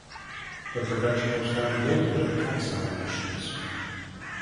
The production was found guilty of tax violations.